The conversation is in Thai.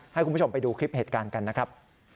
ให้คุณผู้ชมไปดูคลิปเหตุการณ์กันนะครับ